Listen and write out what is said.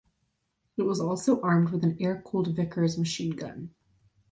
It was also armed with a air-cooled Vickers machine gun.